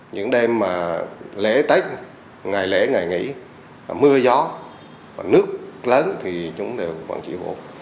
những đêm mà lễ tết ngày lễ ngày nghỉ mưa gió nước lớn thì chúng đều vận chuyển gỗ